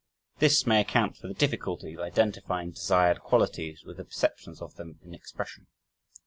This may account for the difficulty of identifying desired qualities with the perceptions of them in expression.